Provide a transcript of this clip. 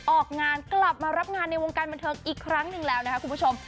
ออกงานกลับมารับงานในวงการบันเทิงอีกครั้งหนึ่งแล้วนะคะคุณผู้ชม